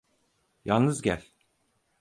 Yalnız gel.